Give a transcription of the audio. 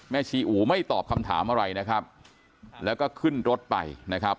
ชีอู๋ไม่ตอบคำถามอะไรนะครับแล้วก็ขึ้นรถไปนะครับ